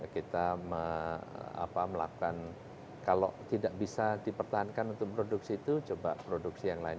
kita melakukan kalau tidak bisa dipertahankan untuk produksi itu coba produksi yang lain